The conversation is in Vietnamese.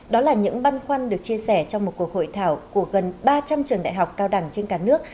đó là những băn khoăn được chia sẻ trong một cuộc hội thảo của gần ba trăm linh trường đại học cao đẳng trên cả nước